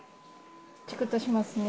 ちくっとしますね。